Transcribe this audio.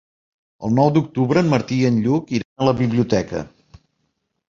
El nou d'octubre en Martí i en Lluc iran a la biblioteca.